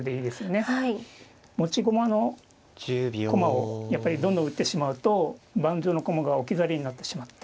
持ち駒の駒をやっぱりどんどん打ってしまうと盤上の駒が置き去りになってしまって。